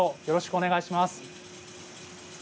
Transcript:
よろしくお願いします。